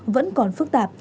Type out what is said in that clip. vẫn còn phức tạp